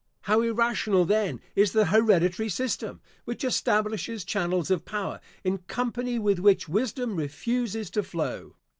How irrational then is the hereditary system, which establishes channels of power, in company with which wisdom refuses to flow!